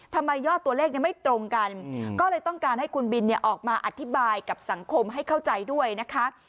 ยอดตัวเลขไม่ตรงกันก็เลยต้องการให้คุณบินออกมาอธิบายกับสังคมให้เข้าใจด้วยนะคะ